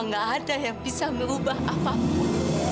nggak ada yang bisa merubah apapun